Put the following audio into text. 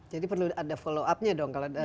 jadi perlu ada follow up nya dong kalau dari